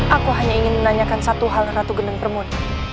aku hanya ingin menanyakan satu hal ratu geneng permun